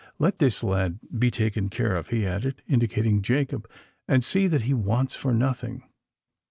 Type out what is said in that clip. Let this lad be taken care of," he added, indicating Jacob: "and see that he wants for nothing."